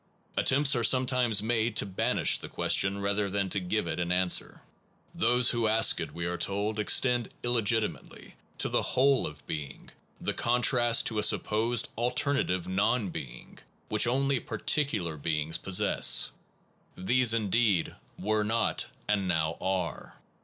}. Attempts are sometimes made to banish the question rather than to give it an answer. Those who ask it, we are told, extend illegit imately to the whole of being the contrast Various to a supposed alternative non being treatments ,.,,, i i of the which only particular beings possess, problem These, indeed, were not, and now are.